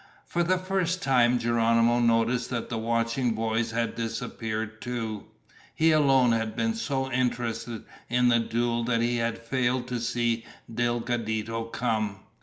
For the first time Geronimo noticed that the watching boys had disappeared too. He alone had been so interested in the duel that he had failed to see Delgadito come.